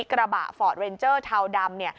กระบะฟอร์ดเรนเจอร์เทาดำ